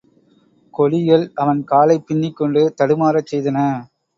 கொடிகள் அவன் காலைப் பின்னிக் கொண்டு தடுமாறச்செய்தன.